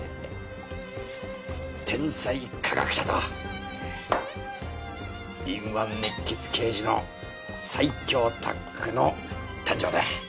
天才科学者と敏腕熱血刑事の最強タッグの誕生だ。